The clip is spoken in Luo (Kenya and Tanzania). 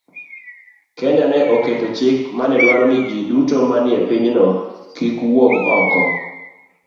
Kenya ne oketo chik mane dwaro ni ji duto manie pinyno kik wuog oko,